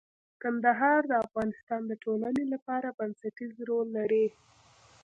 کندهار د افغانستان د ټولنې لپاره بنسټيز رول لري.